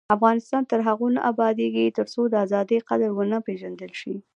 افغانستان تر هغو نه ابادیږي، ترڅو د ازادۍ قدر ونه پیژندل شي.